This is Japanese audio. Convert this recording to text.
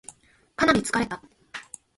かなり疲れた